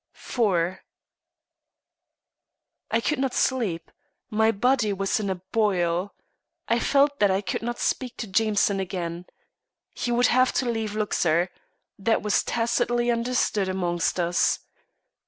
IV I could not sleep. My blood was in a boil. I felt that I could not speak to Jameson again. He would have to leave Luxor. That was tacitly understood among us.